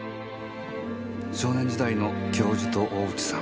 少年時代の教授と大内さん